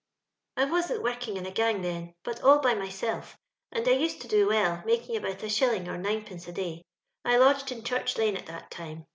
" I wasn't working in a gang then, but all by myself, and I used to do well, making about a shilling or ninepenee a day. I lodged in Church lane at that time.